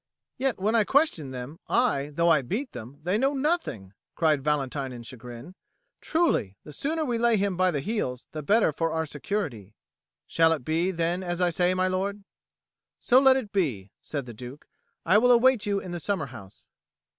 "Yet when I question them, aye, though I beat them, they know nothing!" cried Valentine in chagrin. "Truly, the sooner we lay him by the heels, the better for our security." "Shall it be, then, as I say, my lord?" "So let it be," said the Duke. "I will await you in the summer house."